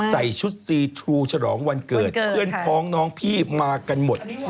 ใส่ชุดซีทรูฉลองวันเกิดเพื่อนพ้องน้องพี่มากันหมด